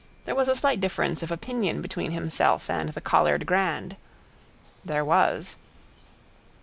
There was a slight difference of opinion between himself and the Collard grand. There was.